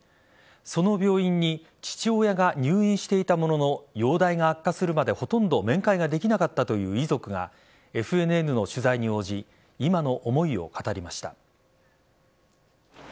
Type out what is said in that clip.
その病院に父親が入院していたものの容体が悪化するまでほとんど面会ができなかったという遺族がＦＮＮの取材に応じ今の思いを語りました。